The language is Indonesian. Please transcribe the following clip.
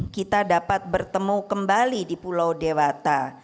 kita dapat bertemu kembali di pulau dewata